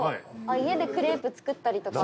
家でクレープ作ったりとか。